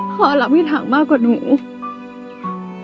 พ่อรักพี่ถังมากกว่าหนู